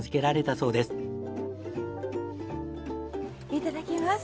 いただきます。